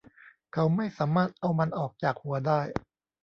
เขาไม่สามารถเอามันออกจากหัวได้